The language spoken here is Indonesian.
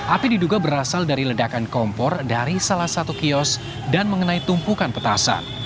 api diduga berasal dari ledakan kompor dari salah satu kios dan mengenai tumpukan petasan